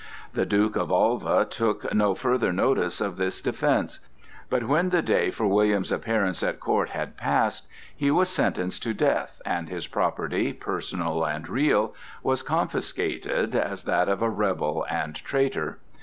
The Duke of Alva took no further notice of this defence; but when the day for William's appearance at court had passed, he was sentenced to death, and his property, personal and real, was confiscated as that of a rebel and traitor.